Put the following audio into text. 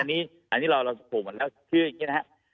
อันนี้เราสมมุติแล้วคืออย่างนี้นะฮะ